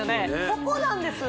そこなんです